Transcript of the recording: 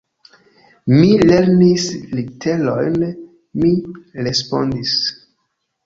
Mi lernis literojn, mi respondis.